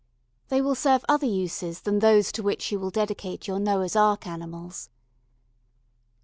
They will serve other uses than those to which you will dedicate your Noah's Ark animals.